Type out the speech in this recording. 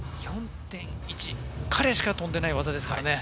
彼しか飛んでない技ですからね。